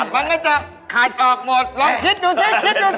มันก็จะขาดออกหมดลองคิดดูสิคิดดูสิ